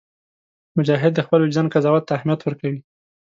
مجاهد د خپل وجدان قضاوت ته اهمیت ورکوي.